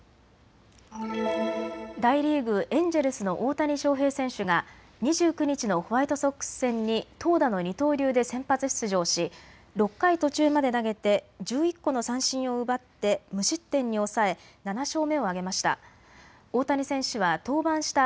大リーグ、エンジェルスの大谷翔平選手が２９日のホワイトソックス戦に投打の二刀流で先発出場し６回途中まで投げて１１個の三振を奪って無失点に抑え７勝目を挙げました。